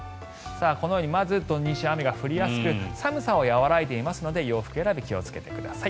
このようにまず土日雨が降りやすく寒さは和らいでいますので洋服選び、気をつけてください。